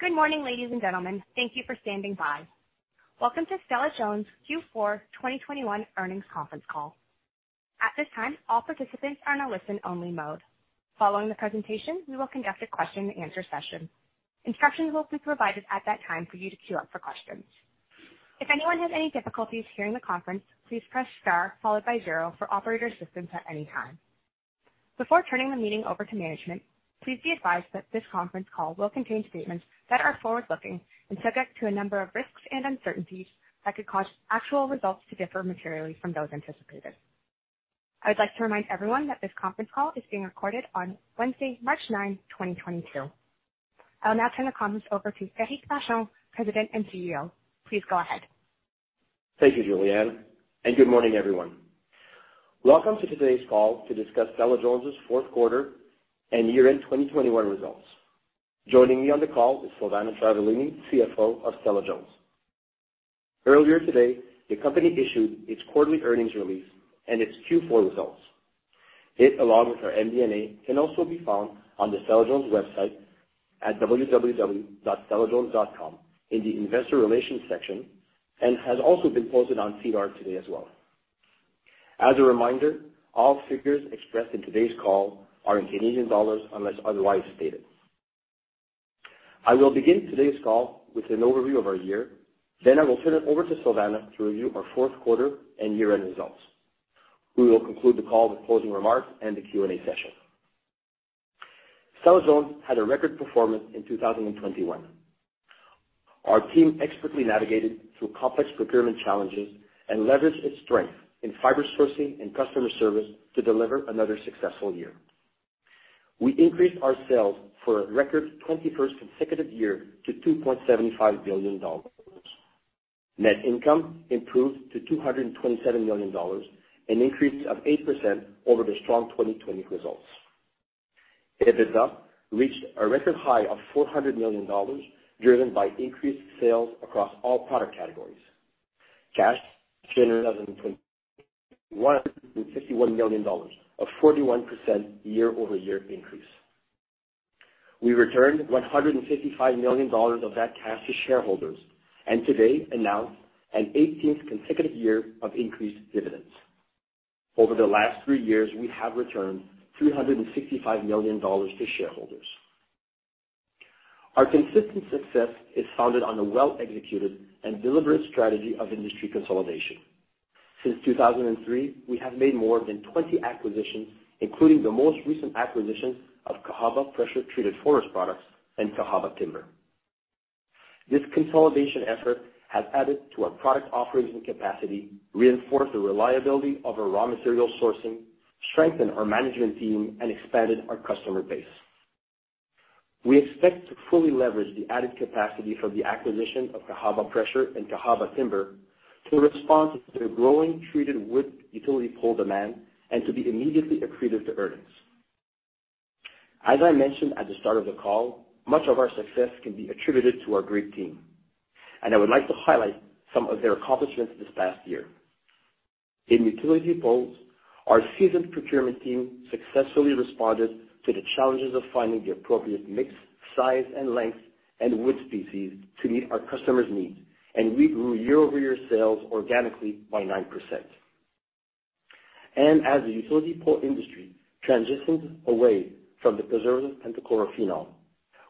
Good morning, ladies and gentlemen. Thank you for standing by. Welcome to Stella-Jones Q4 2021 earnings conference call. At this time, all participants are in a listen-only mode. Following the presentation, we will conduct a question and answer session. Instructions will be provided at that time for you to queue up for questions. If anyone has any difficulties hearing the conference, please press star followed by zero for operator assistance at any time. Before turning the meeting over to management, please be advised that this conference call will contain statements that are forward-looking and subject to a number of risks and uncertainties that could cause actual results to differ materially from those anticipated. I would like to remind everyone that this conference call is being recorded on Wednesday, March 9, 2022. I will now turn the conference over to Éric Vachon, President and CEO. Please go ahead. Thank you, Julianne, and good morning, everyone. Welcome to today's call to discuss Stella-Jones' fourth quarter and year-end 2021 results. Joining me on the call is Silvana Travaglini, CFO of Stella-Jones. Earlier today, the company issued its quarterly earnings release and its Q4 results. It, along with our MD&A, can also be found on the Stella-Jones website at www.stella-jones.com in the investor relations section and has also been posted on SEDAR today as well. As a reminder, all figures expressed in today's call are in Canadian dollars unless otherwise stated. I will begin today's call with an overview of our year. Then I will turn it over to Silvana to review our fourth quarter and year-end results. We will conclude the call with closing remarks and the Q&A session. Stella-Jones had a record performance in 2021. Our team expertly navigated through complex procurement challenges and leveraged its strength in fiber sourcing and customer service to deliver another successful year. We increased our sales for a record 21st consecutive year to 2.75 billion dollars. Net income improved to 227 million dollars, an increase of 8% over the strong 2020 results. EBITDA reached a record high of 400 million dollars, driven by increased sales across all product categories. Cash generated in 2021, CAD 151 million, a 41% year-over-year increase. We returned 155 million dollars of that cash to shareholders, and today announced an 18th consecutive year of increased dividends. Over the last three years, we have returned 365 million dollars to shareholders. Our consistent success is founded on a well-executed and deliberate strategy of industry consolidation. Since 2003, we have made more than 20 acquisitions, including the most recent acquisitions of Cahaba Pressure Treated Forest Products and Cahaba Timber. This consolidation effort has added to our product offerings and capacity, reinforced the reliability of our raw material sourcing, strengthened our management team, and expanded our customer base. We expect to fully leverage the added capacity for the acquisition of Cahaba Pressure and Cahaba Timber to respond to the growing treated wood utility pole demand and to be immediately accretive to earnings. As I mentioned at the start of the call, much of our success can be attributed to our great team, and I would like to highlight some of their accomplishments this past year. In Utility Poles, our seasoned procurement team successfully responded to the challenges of finding the appropriate mix, size and length, and wood species to meet our customers' needs, and we grew year-over-year sales organically by 9%. As the utility pole industry transitions away from the preservative pentachlorophenol,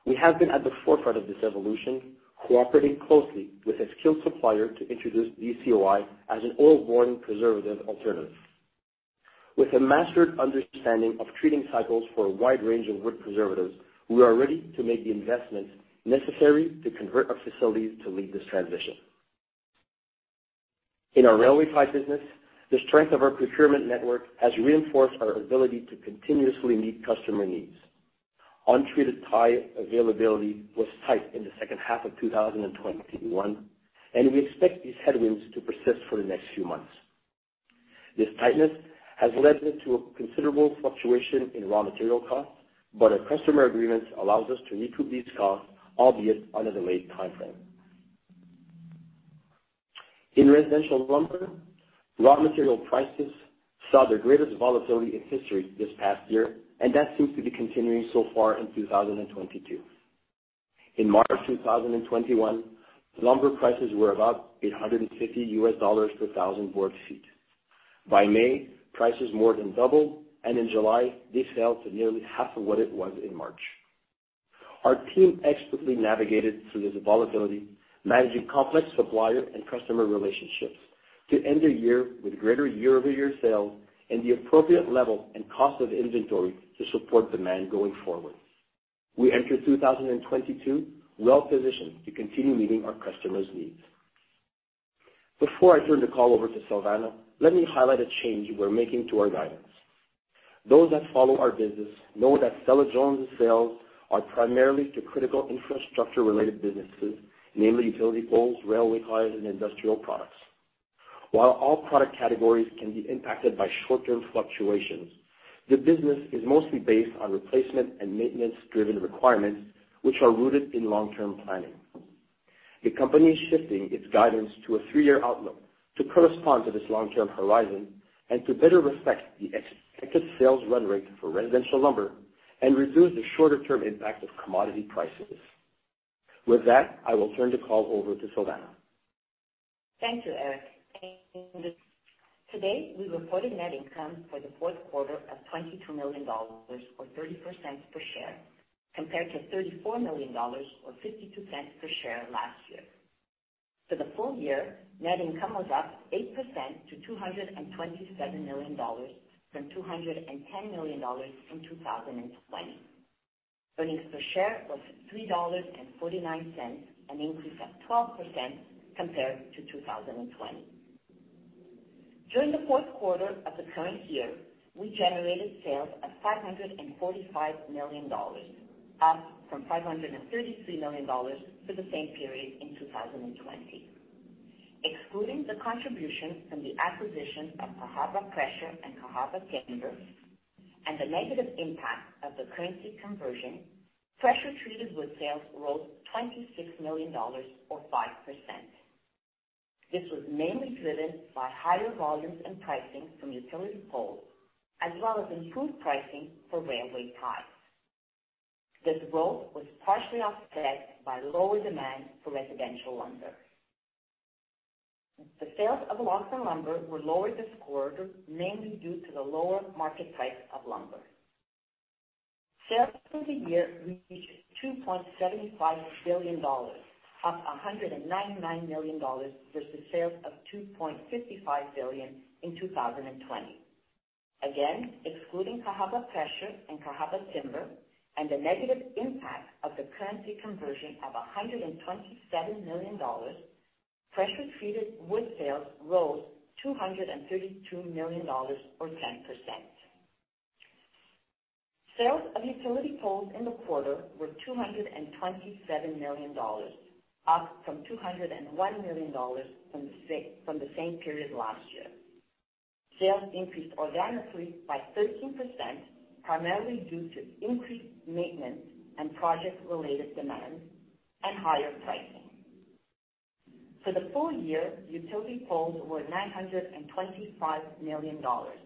we have been at the forefront of this evolution, cooperating closely with a skilled supplier to introduce DCOI as an oil-borne preservative alternative. With a mastered understanding of treating cycles for a wide range of wood preservatives, we are ready to make the investments necessary to convert our facilities to lead this transition. In our Railway Tie business, the strength of our procurement network has reinforced our ability to continuously meet customer needs. Untreated tie availability was tight in the second half of 2021, and we expect these headwinds to persist for the next few months. This tightness has led to a considerable fluctuation in raw material costs, but our customer agreements allows us to recoup these costs, albeit under the lagged time frame. In Residential Lumber, raw material prices saw their greatest volatility in history this past year, and that seems to be continuing so far in 2022. In March 2021, lumber prices were about $850 per thousand board feet. By May, prices more than doubled, and in July, they fell to nearly half of what it was in March. Our team expertly navigated through this volatility, managing complex supplier and customer relationships to end the year with greater year-over-year sales and the appropriate level and cost of inventory to support demand going forward. We enter 2022 well positioned to continue meeting our customers' needs. Before I turn the call over to Silvana, let me highlight a change we're making to our guidance. Those that follow our business know that Stella-Jones' sales are primarily to critical infrastructure-related businesses, namely Utility Poles, Railway Ties, and Industrial Products. While all product categories can be impacted by short-term fluctuations, the business is mostly based on replacement and maintenance-driven requirements, which are rooted in long-term planning. The company is shifting its guidance to a three-year outlook to correspond to this long-term horizon and to better reflect the expected sales run rate for Residential Lumber and reduce the shorter-term impact of commodity prices. With that, I will turn the call over to Silvana. Thank you, Éric. Today, we reported net income for the fourth quarter of 22 million dollars or 0.30 per share, compared to 34 million dollars or 0.52 per share last year. For the full year, net income was up 8% to 227 million dollars from 210 million dollars in 2020. Earnings per share was 3.49 dollars, an increase of 12% compared to 2020. During the fourth quarter of the current year, we generated sales of 545 million dollars, up from 533 million dollars for the same period in 2020. Excluding the contributions from the acquisition of Cahaba Pressure and Cahaba Timber and the negative impact of the currency conversion, pressure treated wood sales rose 26 million dollars or 5%. This was mainly driven by higher volumes and pricing from Utility Poles, as well as improved pricing for Railway Ties. This growth was partially offset by lower demand for residential lumber. The sales of lumber were lower this quarter, mainly due to the lower market price of lumber. Sales for the year reached 2.75 billion dollars, up 199 million dollars versus sales of 2.55 billion in 2020. Again, excluding Cahaba Pressure and Cahaba Timber and the negative impact of the currency conversion of 127 million dollars, pressure treated wood sales rose 232 million dollars or 10%. Sales of Utility Poles in the quarter were 227 million dollars, up from 201 million dollars from the same period last year. Sales increased organically by 13%, primarily due to increased maintenance and project-related demand and higher pricing. For the full year, Utility Poles were 925 million dollars,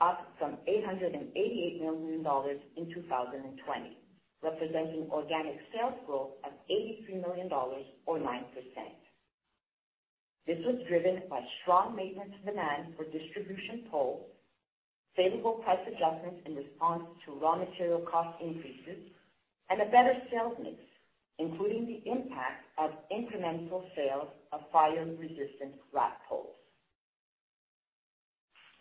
up from 888 million dollars in 2020, representing organic sales growth of 83 million dollars or 9%. This was driven by strong maintenance demand for distribution poles, favorable price adjustments in response to raw material cost increases, and a better sales mix, including the impact of incremental sales of fire-resistant wrapped poles.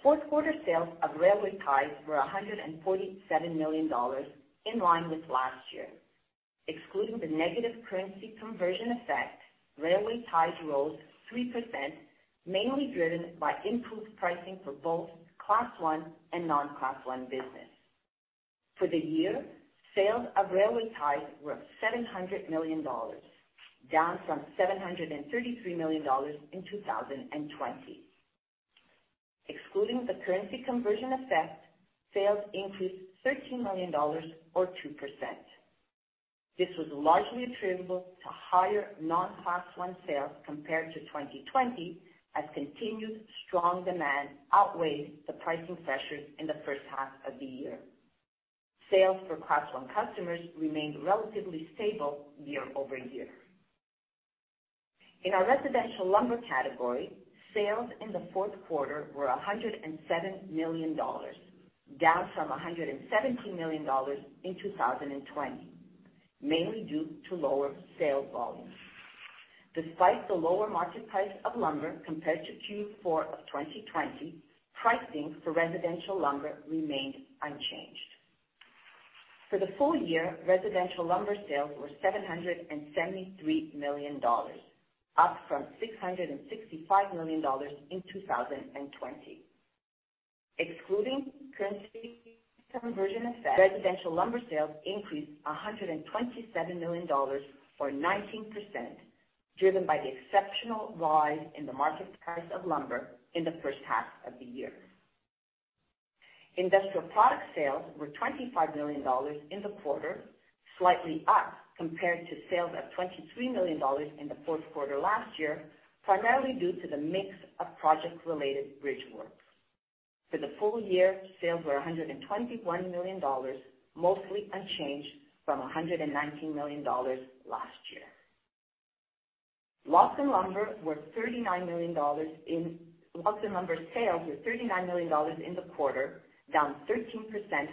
Fourth quarter sales of Railway Ties were 147 million dollars, in line with last year. Excluding the negative currency conversion effect, Railway Ties rose 3%, mainly driven by improved pricing for both Class I and non-Class I business. For the year, sales of Railway Ties were 700 million dollars, down from 733 million dollars in 2020. Excluding the currency conversion effect, sales increased 13 million dollars or 2%. This was largely attributable to higher non-Class I sales compared to 2020 as continued strong demand outweighed the pricing pressures in the first half of the year. Sales for Class I customers remained relatively stable year-over-year. In our Residential Lumber category, sales in the fourth quarter were 107 million dollars, down from 117 million dollars in 2020, mainly due to lower sales volumes. Despite the lower market price of lumber compared to Q4 of 2020, pricing for Residential Lumber remained unchanged. For the full year, Residential Lumber sales were 773 million dollars, up from 665 million dollars in 2020. Excluding currency conversion effect, Residential Lumber sales increased 127 million dollars or 19%, driven by the exceptional rise in the market price of lumber in the first half of the year. Industrial Products sales were 25 million dollars in the quarter, slightly up compared to sales of 23 million dollars in the fourth quarter last year, primarily due to the mix of project-related bridge work. For the full year, sales were 121 million dollars, mostly unchanged from 119 million dollars last year. Lumber sales were 39 million dollars in the quarter, down 13%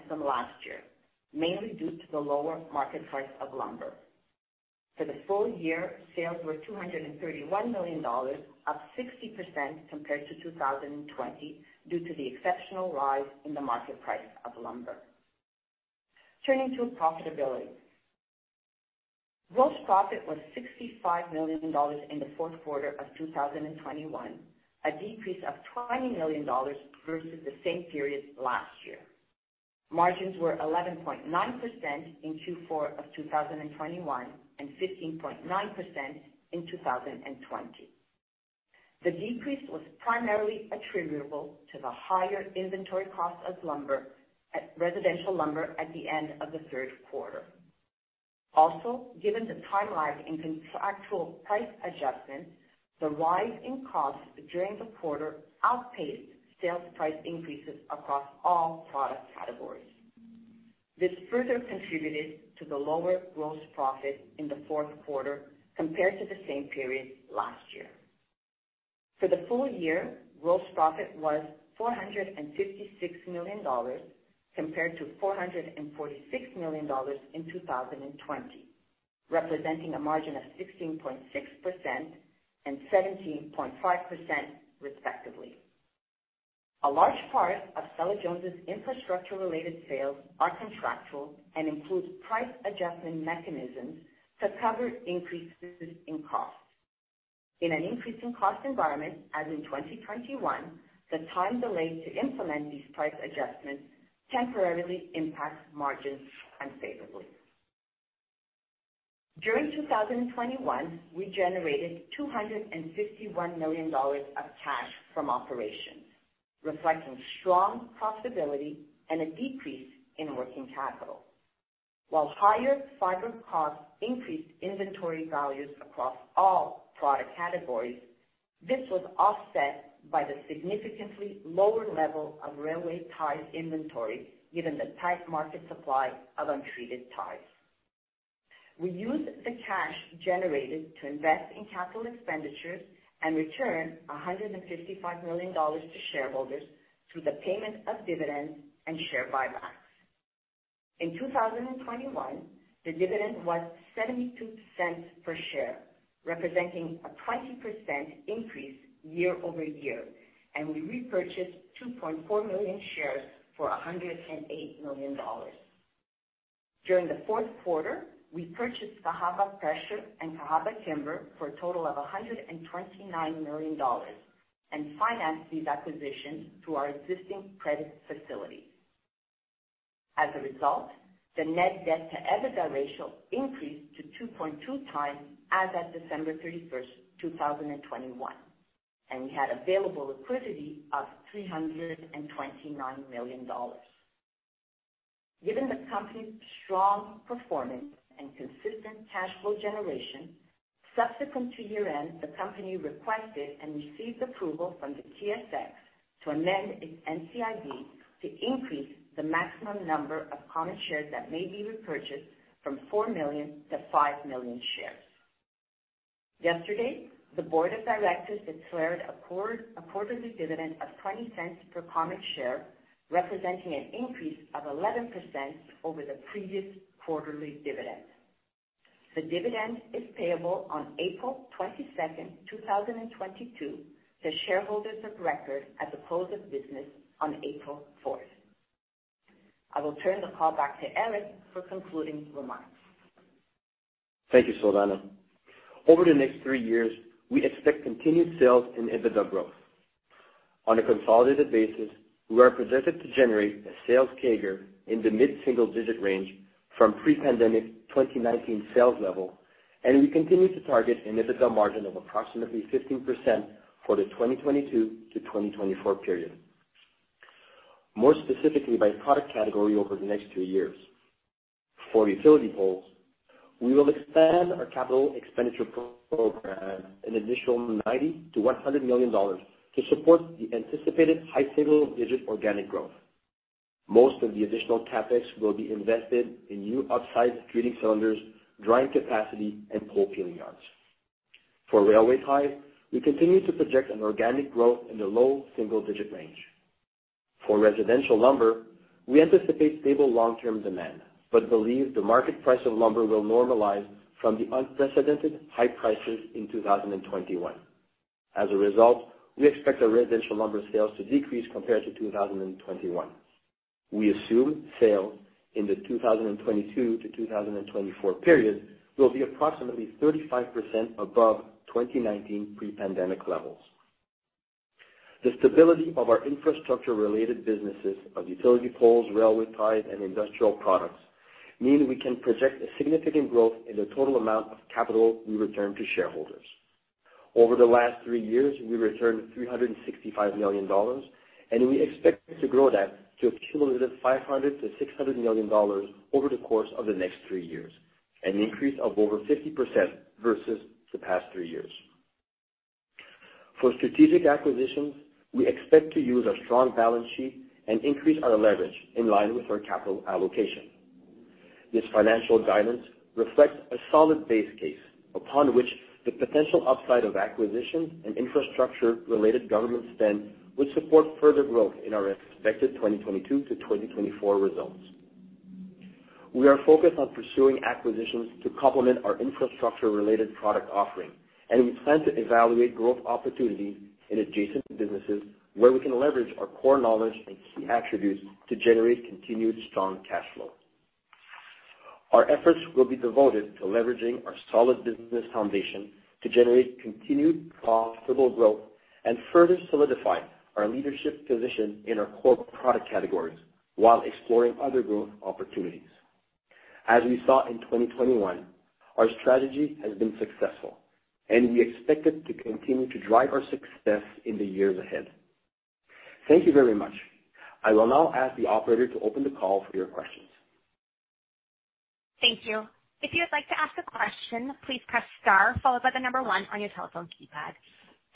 from last year, mainly due to the lower market price of lumber. For the full year, sales were 231 million dollars, up 60% compared to 2020, due to the exceptional rise in the market price of lumber. Turning to profitability. Gross profit was 65 million dollars in the fourth quarter of 2021, a decrease of 20 million dollars versus the same period last year. Margins were 11.9% in Q4 of 2021 and 15.9% in 2020. The decrease was primarily attributable to the higher inventory cost of lumber at Residential Lumber at the end of the third quarter. Also, given the timeline and contractual price adjustments, the rise in costs during the quarter outpaced sales price increases across all product categories. This further contributed to the lower gross profit in the fourth quarter compared to the same period last year. For the full year, gross profit was 456 million dollars compared to 446 million dollars in 2020, representing a margin of 16.6% and 17.5% respectively. A large part of Stella-Jones's infrastructure-related sales are contractual and includes price adjustment mechanisms to cover increases in costs. In an increasing cost environment, as in 2021, the time delay to implement these price adjustments temporarily impacts margins unfavorably. During 2021, we generated CAD 251 million of cash from operations, reflecting strong profitability and a decrease in working capital. While higher fiber costs increased inventory values across all product categories, this was offset by the significantly lower level of Railway Ties inventory, given the tight market supply of untreated ties. We used the cash generated to invest in capital expenditures and return 155 million dollars to shareholders through the payment of dividends and share buybacks. In 2021, the dividend was 0.72 per share, representing a 20% increase year-over-year, and we repurchased 2.4 million shares for 108 million dollars. During the fourth quarter, we purchased Cahaba Pressure and Cahaba Timber for a total of 129 million dollars and financed these acquisitions through our existing credit facility. As a result, the net debt to EBITDA ratio increased to 2.2x as of December 31st, 2021, and we had available liquidity of 329 million dollars. Given the company's strong performance and consistent cash flow generation, subsequent to year-end, the company requested and received approval from the TSX to amend its NCIB to increase the maximum number of common shares that may be repurchased from 4 million to 5 million shares. Yesterday, the Board of Directors declared a quarterly dividend of 0.20 per common share, representing an increase of 11% over the previous quarterly dividend. The dividend is payable on April 22, 2022 to shareholders of record at the close of business on April 4. I will turn the call back to Éric for concluding remarks. Thank you, Silvana. Over the next three years, we expect continued sales and EBITDA growth. On a consolidated basis, we are projected to generate a sales CAGR in the mid-single-digit range from pre-pandemic 2019 sales level, and we continue to target an EBITDA margin of approximately 15% for the 2022-2024 period. More specifically, by product category over the next two years for Utility Poles, we will expand our capital expenditure program an additional 90 million-100 million dollars to support the anticipated high single-digit organic growth. Most of the additional CapEx will be invested in new upsize treating cylinders, drying capacity, and pole peeling yards. For Railway Ties, we continue to project an organic growth in the low single-digit range. For Residential Lumber, we anticipate stable long-term demand, but believe the market price of lumber will normalize from the unprecedented high prices in 2021. As a result, we expect our Residential Lumber sales to decrease compared to 2021. We assume sales in the 2022-2024 period will be approximately 35% above 2019 pre-pandemic levels. The stability of our infrastructure-related businesses of Utility Poles, Railway Ties, and Industrial Products mean we can project a significant growth in the total amount of capital we return to shareholders. Over the last three years, we returned 365 million dollars, and we expect to grow that to a cumulative 500 million-600 million dollars over the course of the next three years, an increase of over 50% versus the past three years. For strategic acquisitions, we expect to use our strong balance sheet and increase our leverage in line with our capital allocation. This financial guidance reflects a solid base case upon which the potential upside of acquisitions and infrastructure-related government spend would support further growth in our expected 2022-2024 results. We are focused on pursuing acquisitions to complement our infrastructure-related product offering, and we plan to evaluate growth opportunities in adjacent businesses where we can leverage our core knowledge and key attributes to generate continued strong cash flow. Our efforts will be devoted to leveraging our solid business foundation to generate continued profitable growth and further solidify our leadership position in our core product categories while exploring other growth opportunities. As we saw in 2021, our strategy has been successful, and we expect it to continue to drive our success in the years ahead. Thank you very much. I will now ask the operator to open the call for your questions. Thank you. If you would like to ask a question, please press star followed by the number one on your telephone keypad.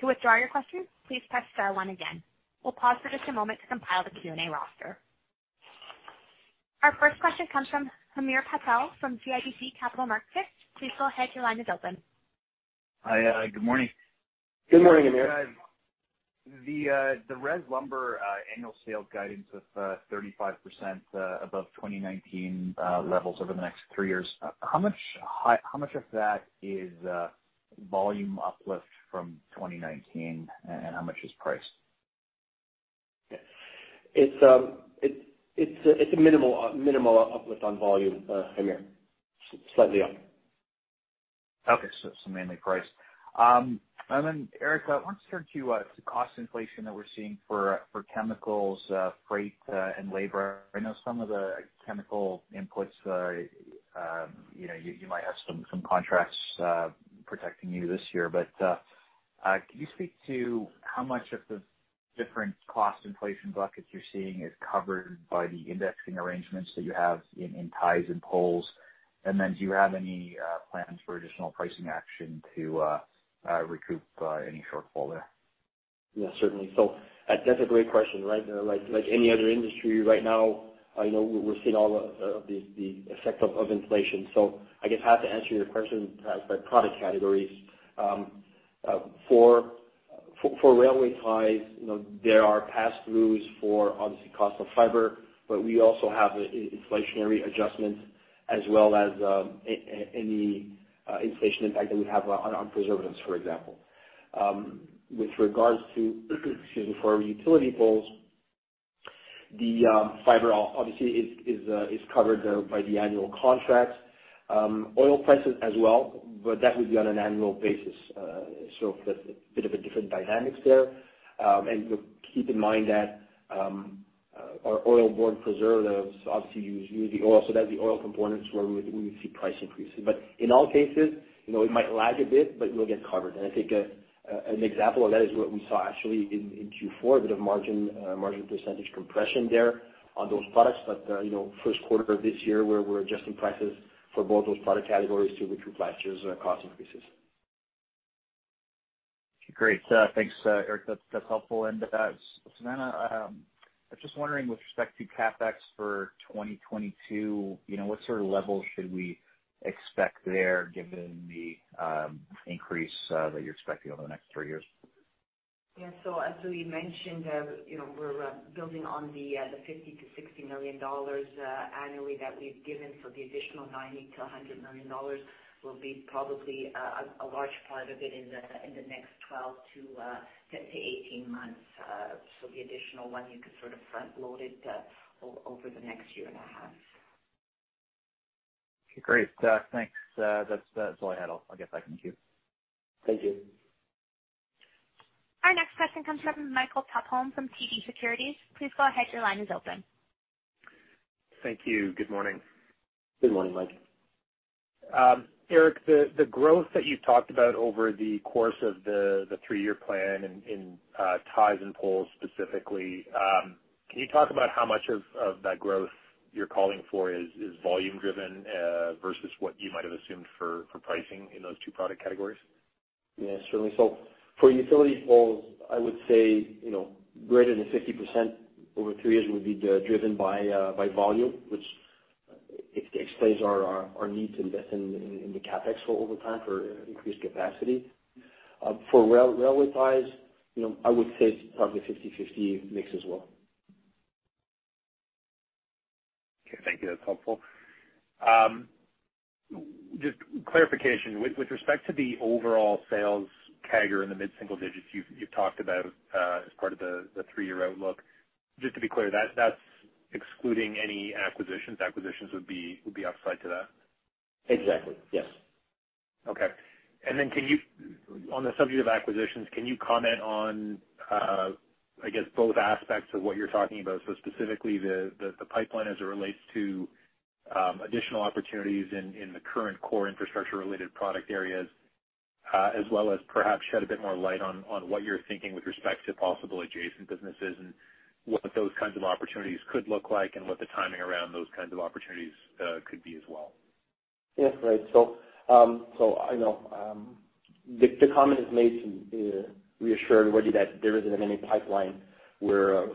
To withdraw your question, please press star one again. We'll pause for just a moment to compile the Q&A roster. Our first question comes from Hamir Patel from CIBC Capital Markets. Please go ahead. Your line is open. Hi, good morning. Good morning, Hamir Patel. The Residential Lumber annual sales guidance of 35% above 2019 levels over the next three years, how much of that is volume uplift from 2019, and how much is price? It's a minimal uplift on volume, Hamir Patel. Slightly up. Mainly price. Then Éric, I wanted to turn to the cost inflation that we're seeing for chemicals, freight, and labor. I know some of the chemical inputs, you know, you might have some contracts protecting you this year, but can you speak to how much of the different cost inflation buckets you're seeing is covered by the indexing arrangements that you have in ties and poles? Then do you have any plans for additional pricing action to recoup any shortfall there? Yeah, certainly. That's a great question, right? Like any other industry right now, I know we're seeing all of the effect of inflation. I guess I have to answer your question by product categories. For Railway Ties, you know, there are pass-throughs for obviously cost of fiber, but we also have inflationary adjustments as well as any inflation impact that we have on preservatives, for example. Excuse me, for our Utility Poles, the fiber obviously is covered by the annual contracts. Oil prices as well, but that would be on an annual basis. That's a bit of a different dynamics there. Keep in mind that our oil-borne preservatives obviously use the oil, so that's the oil components where we would see price increases. In all cases, you know, it might lag a bit, but we'll get covered. I think an example of that is what we saw actually in Q4, a bit of margin percentage compression there on those products. You know, first quarter of this year, we're adjusting prices for both those product categories to recoup last year's cost increases. Great. Thanks, Éric. That's helpful. Silvana, I'm just wondering with respect to CapEx for 2022, you know, what sort of level should we expect there given the increase that you're expecting over the next three years? Yeah. As we mentioned, you know, we're building on the 50 million-60 million dollars annually that we've given. The additional 90 million-100 million dollars will be probably a large part of it in the next 10-18 months. The additional one, you could sort of front load it over the next year and a half. Okay, great. Thanks. That's all I had. I'll get back in queue. Thank you. Our next question comes from Michael Tupholme from TD Securities. Please go ahead. Your line is open. Thank you. Good morning. Good morning, Mike. Éric, the growth that you talked about over the course of the three-year plan in ties and poles specifically, can you talk about how much of that growth you're calling for is volume driven versus what you might have assumed for pricing in those two product categories? Yeah, certainly. For Utility Poles, I would say, you know, greater than 50% over three years would be driven by volume, which explains our need to invest in the CapEx over time for increased capacity. For Railway Ties, you know, I would say it's probably 50/50 mix as well. Okay, thank you. That's helpful. Just clarification, with respect to the overall sales CAGR in the mid-single digits you've talked about, as part of the three-year outlook, just to be clear, that's excluding any acquisitions. Acquisitions would be upside to that. Exactly, yes. Okay. On the subject of acquisitions, can you comment on, I guess both aspects of what you're talking about, so specifically the pipeline as it relates to additional opportunities in the current core infrastructure related product areas, as well as perhaps shed a bit more light on what you're thinking with respect to possible adjacent businesses and what those kinds of opportunities could look like and what the timing around those kinds of opportunities could be as well? Yeah, great. I know the comment is made to reassure everybody that there isn't any pipeline. We're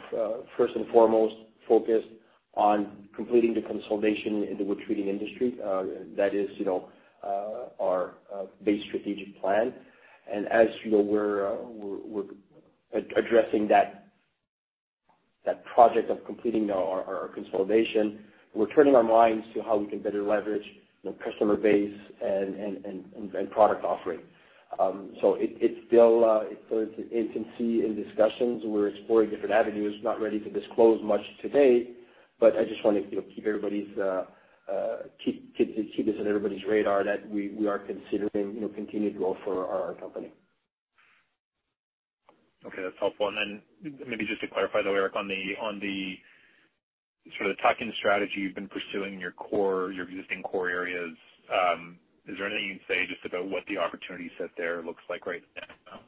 first and foremost focused on completing the consolidation in the wood treating industry. That is, you know, our base strategic plan. As you know, we're addressing that project of completing our consolidation, we're turning our minds to how we can better leverage the customer base and product offering. It's still in its infancy in discussions. We're exploring different avenues, not ready to disclose much today, but I just wanted to keep this on everybody's radar that we are considering, you know, continued growth for our company. Okay, that's helpful. Maybe just to clarify though, Éric, on the sort of tuck-in strategy you've been pursuing in your core, your existing core areas, is there anything you can say just about what the opportunity set there looks like right now?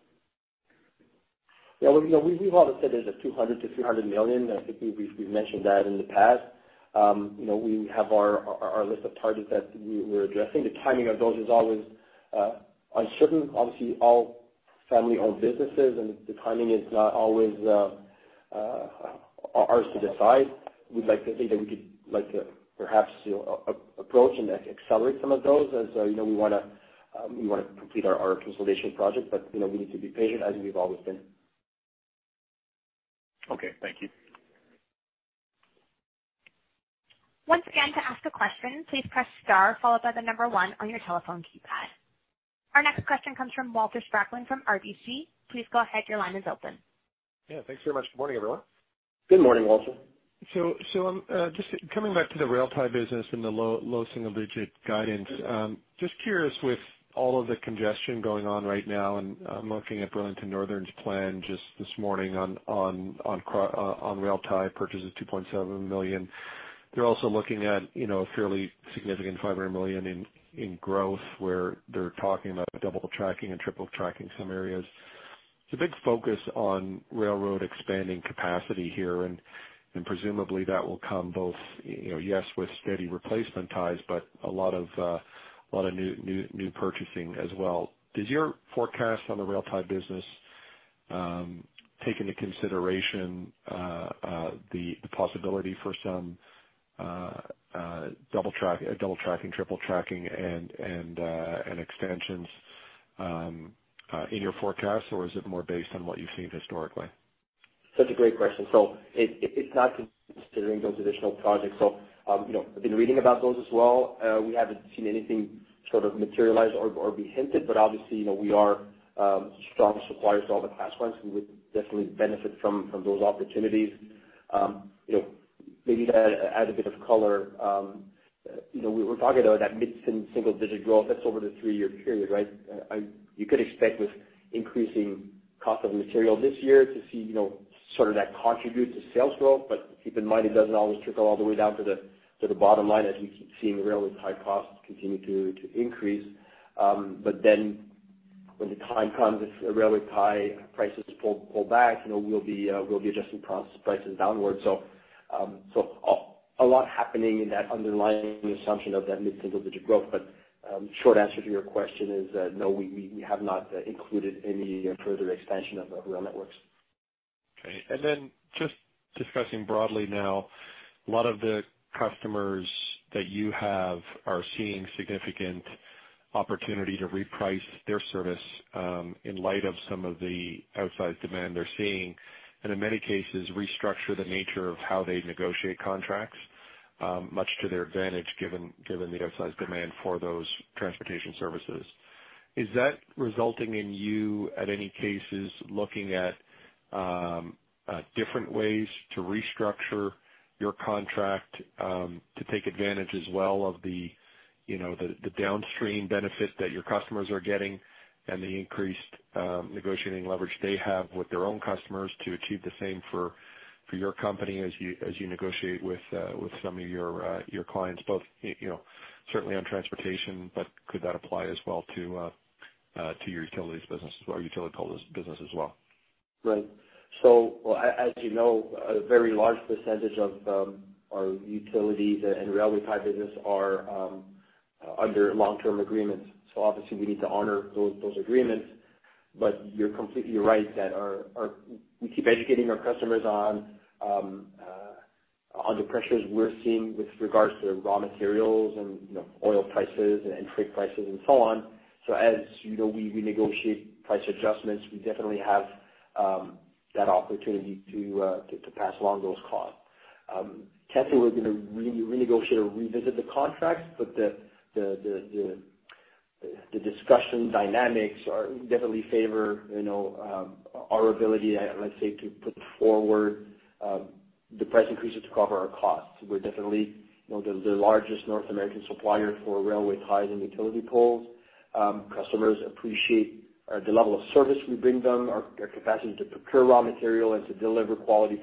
Yeah, well, you know, we've always said there's 200 million-300 million. I think we've mentioned that in the past. You know, we have our list of targets that we're addressing. The timing of those is always uncertain. Obviously, all family-owned businesses and the timing is not always ours to decide. We'd like to think that we could like to perhaps approach and accelerate some of those as, you know, we wanna complete our consolidation project. You know, we need to be patient as we've always been. Okay, thank you. Once again, to ask a question, please press star followed by one on your telephone keypad. Our next question comes from Walter Spracklin from RBC. Please go ahead. Your line is open. Yeah, thanks very much. Good morning, everyone. Good morning, Walter. Just coming back to the rail tie business and the low single-digit guidance, just curious with all of the congestion going on right now, and I'm looking at Burlington Northern's plan just this morning on rail tie purchases, 2.7 million. They're also looking at, you know, a fairly significant $500 million in growth, where they're talking about double tracking and triple tracking some areas. There's a big focus on railroad expanding capacity here, and presumably that will come both, you know, yes, with steady replacement ties, but a lot of new purchasing as well. Does your forecast on the rail tie business take into consideration the possibility for some double tracking, triple tracking and extensions in your forecast? Or is it more based on what you've seen historically? Such a great question. It's not considering those additional projects. You know, I've been reading about those as well. We haven't seen anything sort of materialize or be hinted, but obviously, you know, we are strong suppliers to all the Class Is. We would definitely benefit from those opportunities. You know, maybe to add a bit of color, you know, we were talking about that mid-single digit growth. That's over the three-year period, right? You could expect with increasing cost of material this year to see, you know, sort of that contribute to sales growth. Keep in mind, it doesn't always trickle all the way down to the bottom line as we keep seeing Railway Tie costs continue to increase. When the time comes, if Railway Tie prices pull back, you know, we'll be adjusting prices downward. A lot happening in that underlying assumption of that mid-single digit growth. Short answer to your question is, no, we have not included any further expansion of rail networks. Okay. Just discussing broadly now, a lot of the customers that you have are seeing significant opportunity to reprice their service, in light of some of the outsized demand they're seeing, and in many cases restructure the nature of how they negotiate contracts, much to their advantage, given the outsized demand for those transportation services. Is that resulting in you in any cases looking at different ways to restructure your contract to take advantage as well of the, you know, the downstream benefit that your customers are getting and the increased negotiating leverage they have with their own customers to achieve the same for your company as you negotiate with some of your your clients, both, you know, certainly on transportation, but could that apply as well to your utilities business or Utility Poles business as well? Right. As you know, a very large percentage of our Utilities and Railway Tie business are under long-term agreements. Obviously we need to honor those agreements. But you're completely right that we keep educating our customers on the pressures we're seeing with regards to raw materials and, you know, oil prices and trade prices and so on. As you know, we renegotiate price adjustments, we definitely have that opportunity to pass along those costs. Can't say we're going to renegotiate or revisit the contracts, but the discussion dynamics are definitely favor our ability, let's say, to put forward the price increases to cover our costs. We're definitely the largest North American supplier for Railway Ties and Utility Poles. Customers appreciate the level of service we bring them, our capacity to procure raw material and to deliver quality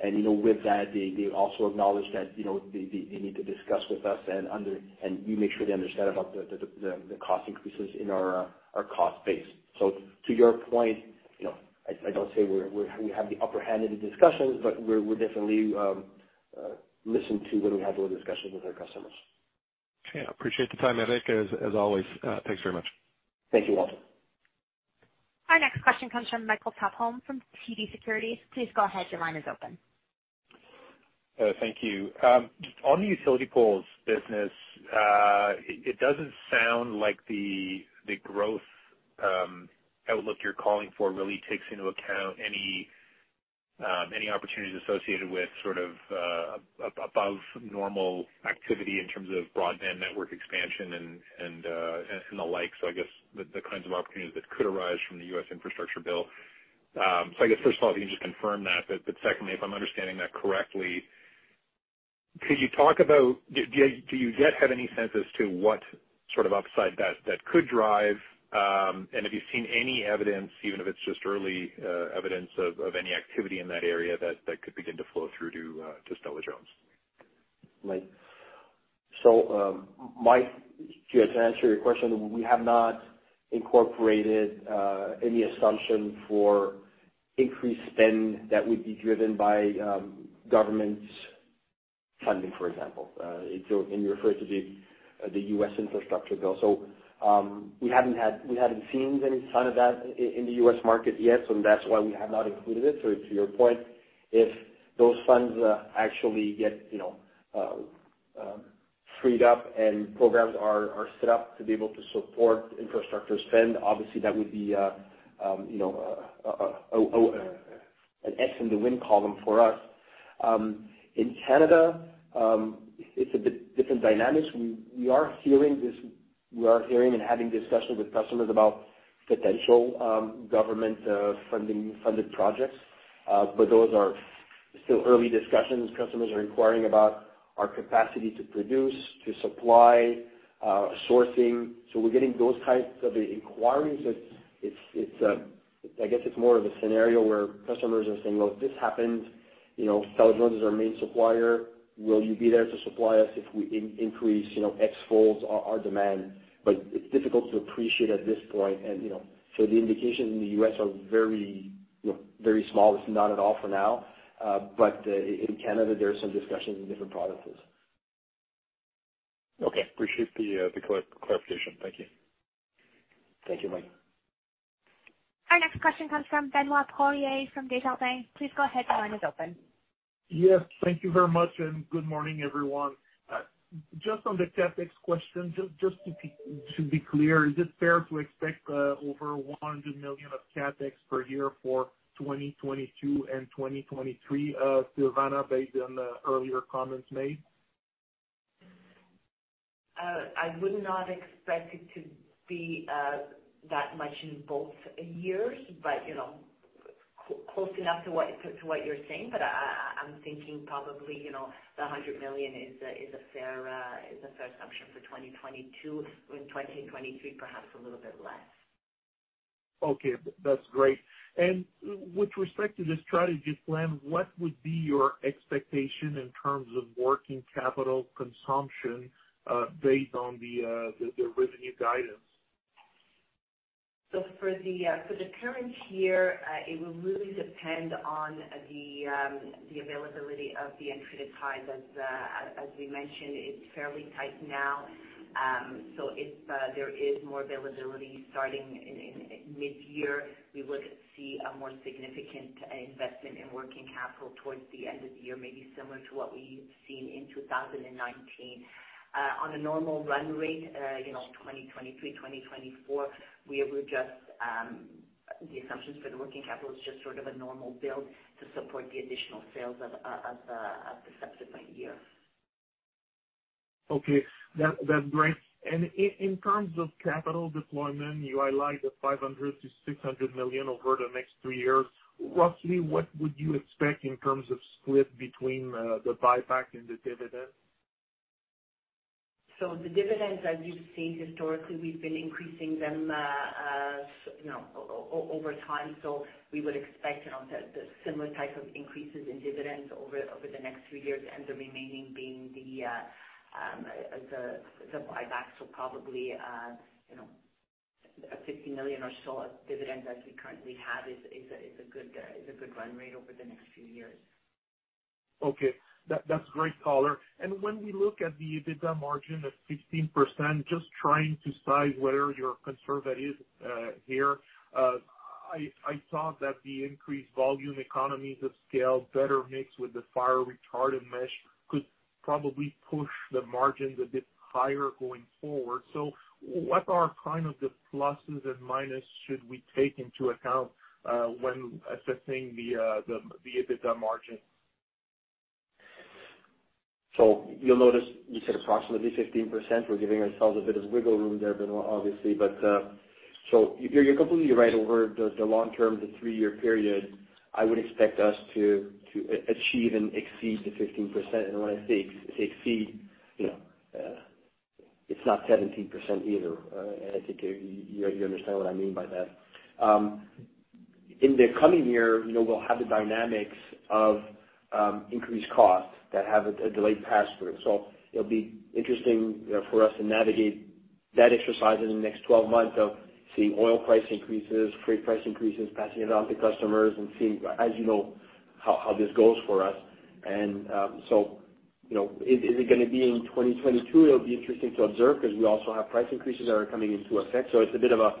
product. You know, with that, they also acknowledge that, you know, they need to discuss with us and we make sure they understand about the cost increases in our cost base. To your point, you know, I don't say we have the upper hand in the discussion, but we're definitely listened to when we have those discussions with our customers. Okay, I appreciate the time, Éric. As always, thanks very much. Thank you, Walter. Our next question comes from Michael Tupholme from TD Securities. Please go ahead. Your line is open. Thank you. On the Utility Poles business, it doesn't sound like the growth outlook you're calling for really takes into account any opportunities associated with sort of above normal activity in terms of broadband network expansion and the like. I guess the kinds of opportunities that could arise from the U.S. Infrastructure Bill. I guess first of all, can you just confirm that? Secondly, if I'm understanding that correctly, do you yet have any sense as to what sort of upside that could drive? Have you seen any evidence, even if it's just early evidence of any activity in that area that could begin to flow through to Stella-Jones? Right. Mike, just to answer your question, we have not incorporated any assumption for increased spend that would be driven by government funding, for example. You referred to the U.S. Infrastructure Bill. We haven't seen any sign of that in the U.S. market yet, and that's why we have not included it. To your point, if those funds actually get you know freed up and programs are set up to be able to support infrastructure spend, obviously that would be you know an S in the win column for us. In Canada, it's a bit different dynamics. We are hearing this and having discussions with customers about potential government funded projects. Those are still early discussions. Customers are inquiring about our capacity to produce, to supply, sourcing. We're getting those types of inquiries. It's more of a scenario where customers are saying, "Well, if this happens, you know, Stella-Jones is our main supplier, will you be there to supply us if we increase, you know, X folds our demand?" It's difficult to appreciate at this point. You know, the indication in the U.S. are very, you know, very small, if not at all for now. In Canada there are some discussions in different provinces. Okay. Appreciate the clarification. Thank you. Thank you, Mike. Our next question comes from Benoit Poirier, from Desjardins. Please go ahead, your line is open. Yes. Thank you very much, and good morning, everyone. Just on the CapEx question, just to be clear, is it fair to expect over 100 million of CapEx per year for 2022 and 2023, Silvana, based on the earlier comments made? I would not expect it to be that much in both years, but you know, close enough to what you're saying. I'm thinking probably, you know, 100 million is a fair assumption for 2022. In 2023, perhaps a little bit less. Okay. That's great. With respect to the strategy plan, what would be your expectation in terms of working capital consumption, based on the revenue guidance? For the current year, it will really depend on the availability of the Railway Ties. As we mentioned, it's fairly tight now. If there is more availability starting in midyear, we would see a more significant investment in working capital towards the end of the year, maybe similar to what we've seen in 2019. On a normal run rate, you know, 2023, 2024, we would just the assumptions for the working capital is just sort of a normal build to support the additional sales of the subsequent year. Okay. That's great. In terms of capital deployment, you highlight the 500 million-600 million over the next three years. Roughly, what would you expect in terms of split between the buyback and the dividend? The dividends, as you've seen historically, we've been increasing them, as you know, over time. We would expect, you know, the similar type of increases in dividends over the next three years, and the remaining being the buyback. Probably, you know, 50 million or so of dividend as we currently have is a good run rate over the next few years. Okay. That's great color. When we look at the EBITDA margin of 15%, just trying to size whether you're conservative here, I thought that the increased volume economies of scale better mixed with the fire retardant mesh could probably push the margins a bit higher going forward. What are kind of the pluses and minuses we should take into account when assessing the EBITDA margin? You'll notice you said approximately 15%. We're giving ourselves a bit of wiggle room there, Benoit, obviously. You're completely right. Over the long term, the three-year period, I would expect us to achieve and exceed the 15%. When I say exceed, you know, it's not 17% either. I think you understand what I mean by that. In the coming year, you know, we'll have the dynamics of increased costs that have a delayed pass-through. It'll be interesting, you know, for us to navigate that exercise in the next 12 months of seeing oil price increases, freight price increases, passing it on to customers and seeing, as you know, how this goes for us. Is it gonna be in 2022? It'll be interesting to observe because we also have price increases that are coming into effect. It's a bit of a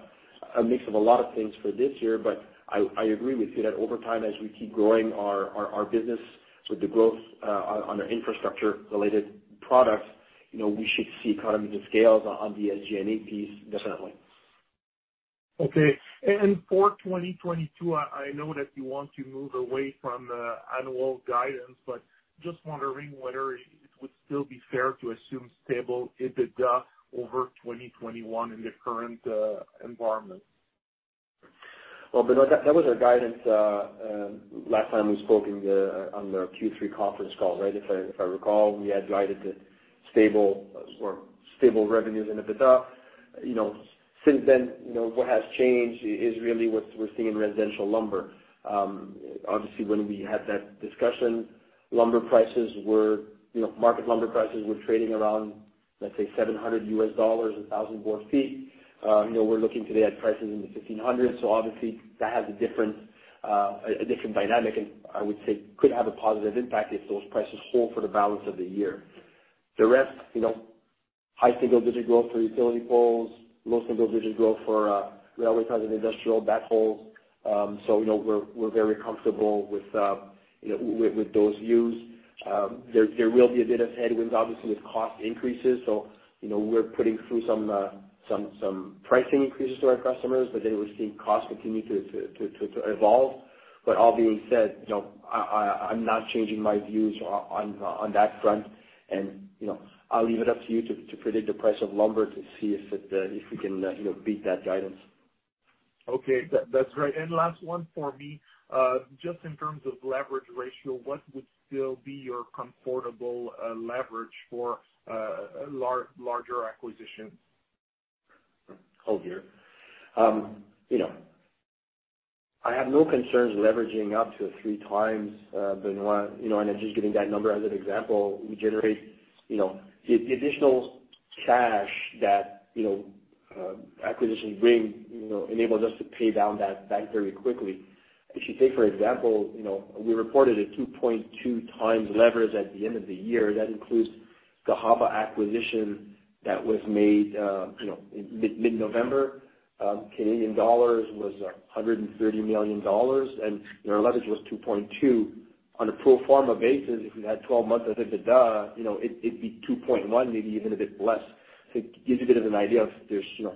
mix of a lot of things for this year. I agree with you that over time, as we keep growing our business with the growth on our infrastructure related products, you know, we should see economies of scale on the SG&A piece, definitely. Okay. For 2022, I know that you want to move away from annual guidance, but just wondering whether it would still be fair to assume stable EBITDA over 2021 in the current environment? Well, Benoit, that was our guidance last time we spoke on the Q3 conference call, right? If I recall, we had guided to stable revenues and EBITDA. You know, since then, you know, what has changed is really what we're seeing in Residential Lumber. Obviously, when we had that discussion, lumber prices were, you know, market lumber prices were trading around, let's say $700 a 1,000 board feet. You know, we're looking today at prices in the 1,500, so obviously that has a different dynamic and I would say could have a positive impact if those prices hold for the balance of the year. The rest, you know, high single-digit growth for Utility Poles, low single-digit growth for Railway Ties and Industrial Products. You know, we're very comfortable with those views. There will be a bit of headwinds obviously with cost increases, you know, we're putting through some pricing increases to our customers. But then we're seeing costs continue to evolve. All being said, you know, I'm not changing my views on that front. You know, I'll leave it up to you to predict the price of lumber to see if we can beat that guidance. Okay. That's great. Last one for me. Just in terms of leverage ratio, what would still be your comfortable leverage for a larger acquisition? I'll go here. You know, I have no concerns leveraging up to 3x, Benoit, you know, and I'm just giving that number as an example. We generate, you know. The additional cash that, you know, acquisitions bring, you know, enables us to pay down that bank very quickly. If you take, for example, you know, we reported a 2.2x leverage at the end of the year. That includes the Cahaba acquisition that was made, you know, in mid-November. Canadian dollars was 130 million dollars, and our leverage was 2.2. On a pro forma basis, if we had 12 months of EBITDA, you know, it'd be 2.1, maybe even a bit less. It gives you a bit of an idea of, you know,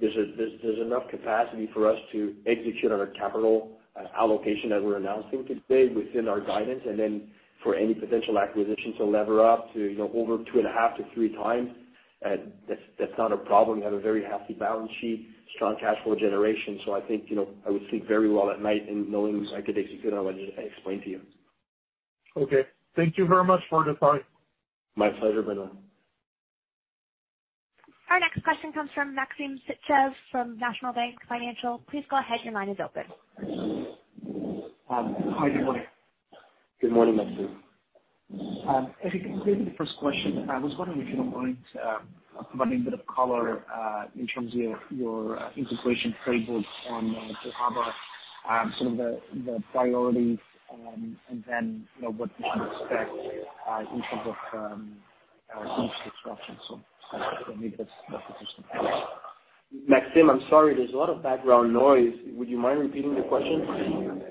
there's enough capacity for us to execute on our capital allocation that we're announcing today within our guidance and then for any potential acquisitions to lever up to, you know, over 2.5x-3x. That's not a problem. We have a very healthy balance sheet, strong cash flow generation. I think, you know, I would sleep very well at night in knowing I could execute on what I explained to you. Okay. Thank you very much for the time. My pleasure, Benoit. Our next question comes from Maxim Sytchev from National Bank Financial. Please go ahead. Your line is open. Hi. Good morning. Good morning, Maxim. I was wondering if you don't mind providing a bit of color in terms of your integration playbook on Cahaba, some of the priorities and then, you know, what we can expect in terms of future disruptions. If you don't need this, that's just something else. Maxim, I'm sorry. There's a lot of background noise. Would you mind repeating the question?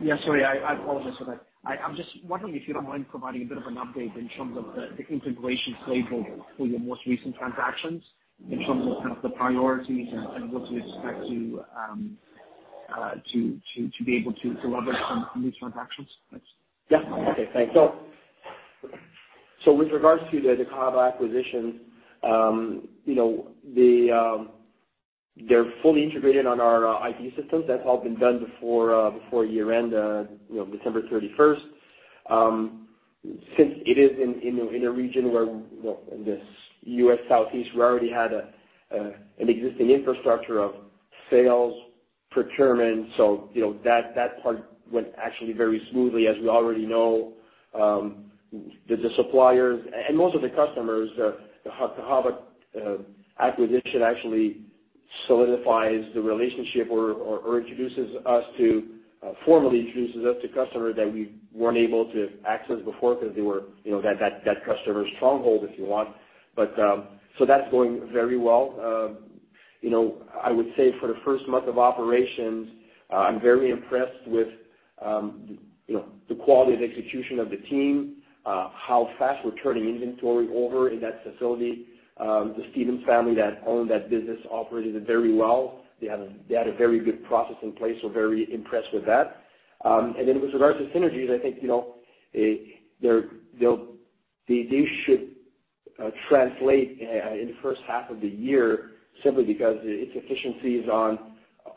Yeah, sorry. I apologize for that. I'm just wondering if you don't mind providing a bit of an update in terms of the integration playbook for your most recent transactions, in terms of kind of the priorities and what you expect to be able to leverage from these transactions. Thanks. With regards to the Cahaba acquisition, you know, they're fully integrated on our IT systems. That's all been done before year-end, you know, December 31st. Since it is in a region where, you know, in the U.S. Southeast, we already had an existing infrastructure of sales, procurement. You know, that part went actually very smoothly. As we already know, the suppliers and most of the customers, the Cahaba acquisition actually solidifies the relationship or introduces us to, formally introduces us to customers that we weren't able to access before because they were, you know, that customer stronghold, if you want. That's going very well. You know, I would say for the first month of operations, I'm very impressed with, you know, the quality of execution of the team, how fast we're turning inventory over in that facility. The Stevens family that owned that business operated it very well. They had a very good process in place. Very impressed with that. Then with regards to synergies, I think, you know, these should translate in the first half of the year simply because it's efficiencies on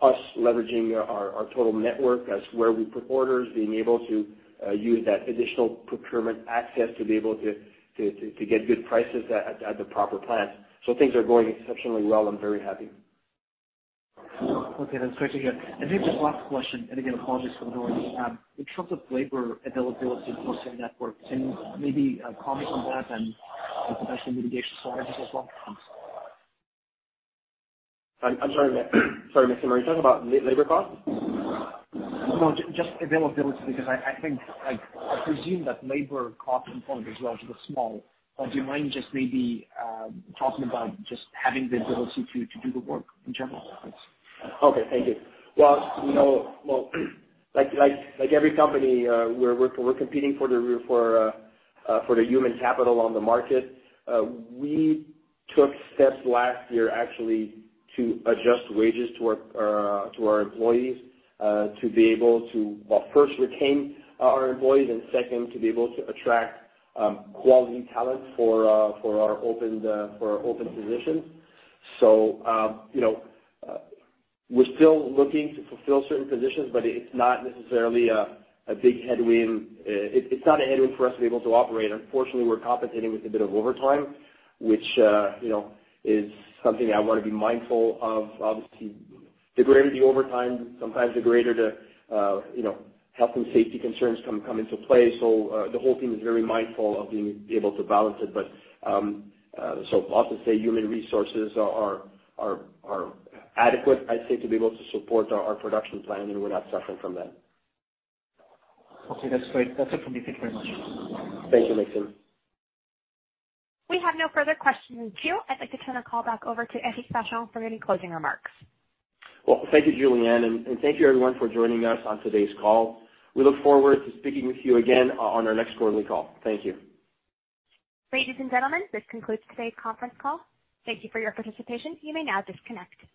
us leveraging our total network. That's where we put orders, being able to use that additional procurement access to be able to get good prices at the proper plant. Things are going exceptionally well. I'm very happy. Okay, that's great to hear. Maybe just last question, and again, apologies for the noise. In terms of labor availability across your network, can you maybe comment on that and any potential mitigation strategies as well? Thanks. I'm sorry. Sorry, Maxim, are you talking about labor costs? No, just availability, because I think, like, I presume that labor cost component as well is small. Do you mind just maybe talking about just having the ability to do the work in general? Thanks. Okay, thank you. Well, you know, like every company, we're competing for the human capital on the market. We took steps last year actually to adjust wages to our employees to be able to, well, first retain our employees and second, to be able to attract quality talent for our open positions. You know, we're still looking to fulfill certain positions, but it's not necessarily a big headwind. It's not a headwind for us to be able to operate. Unfortunately, we're compensating with a bit of overtime, which, you know, is something I wanna be mindful of. Obviously, the greater the overtime, sometimes the greater the, you know, health and safety concerns come into play. The whole team is very mindful of being able to balance it. I'll often say human resources are adequate, I'd say, to be able to support our production plan, and we're not suffering from that. Okay. That's great. That's it for me. Thank you very much. Thank you, Maxim. We have no further questions in queue. I'd like to turn the call back over to Éric Vachon for any closing remarks. Well, thank you, Julianne. Thank you everyone for joining us on today's call. We look forward to speaking with you again on our next quarterly call. Thank you. Ladies and gentlemen, this concludes today's conference call. Thank you for your participation. You may now disconnect.